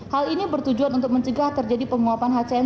hal ini bertujuan untuk mencegah terjadi penguapan hcn